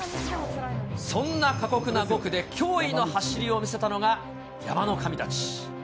そんな過酷な５区で驚異の走りを見せたのが、山の神たち。